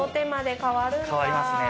変わりますね。